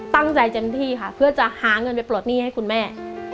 เต็มที่ค่ะเพื่อจะหาเงินไปปลดหนี้ให้คุณแม่